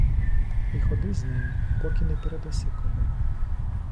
І ходи з нею, поки не передаси кому.